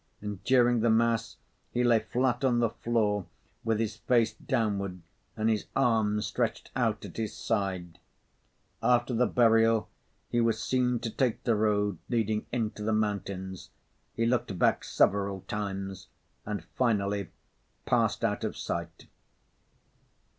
And during the mass, he lay flat on the floor with his face downward and his arms stretched out at his sides. After the burial, he was seen to take the road leading into the mountains. He looked back several times, and finally passed out of sight.